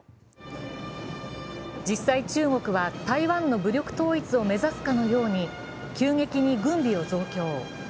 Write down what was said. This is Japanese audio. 実際、中国は台湾の武力統一を目指すかのように急激に軍備を増強。